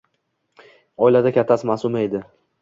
Oilada kattasi Maʼsuma edi.